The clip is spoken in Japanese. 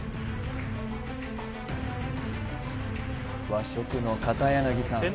和食の片柳さん